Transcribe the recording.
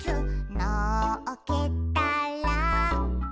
「のっけたら」